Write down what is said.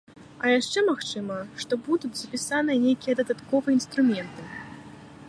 А яшчэ магчыма, што будуць запісаныя нейкія дадатковыя інструменты.